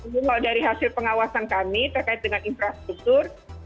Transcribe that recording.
kalau dari hasil pengawasan kami terkait dengan infrastruktur